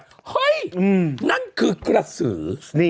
หนังคือกษตรีครัฐสือ